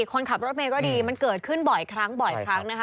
คนขับรถเมย์ก็ดีมันเกิดขึ้นบ่อยครั้งบ่อยครั้งนะคะ